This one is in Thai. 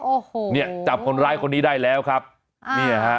โอ้โหเนี่ยจับคนร้ายคนนี้ได้แล้วครับเนี่ยฮะ